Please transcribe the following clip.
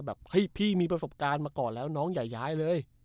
แบบเฮ้ยพี่มีประสบการณ์มาก่อนแล้วน้องอย่าย้ายเลย